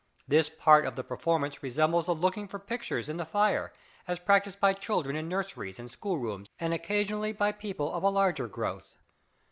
This part of the performance resembles the looking for 'pictures in the fire' as practised by children in nurseries and school rooms and occasionally by people of a larger growth.